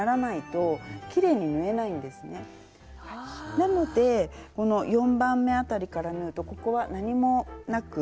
なのでこの４番目辺りから縫うとここは何もなく縫いやすい。